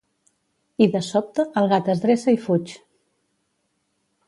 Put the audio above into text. I de sobte el gat es dreça i fuig.